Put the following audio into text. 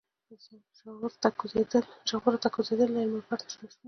ژورو ته کوزېدل له علم پرته ناشونی دی.